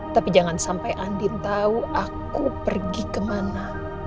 tapi jangan sampai andin tahu aku pergi kemana